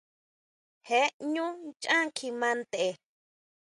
Je ʼñú nchán kjima tʼen.